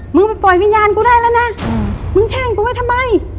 มึงไปปล่อยวิญญาณกูได้แล้วนะมึงแช่งกูไว้ทำไม